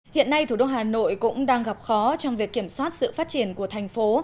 hiện nay thủ đô hà nội cũng đang gặp khó trong việc kiểm soát sự phát triển của thành phố